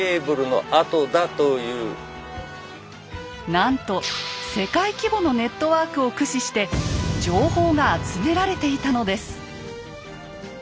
なんと世界規模のネットワークを駆使して情報が集められていたのです。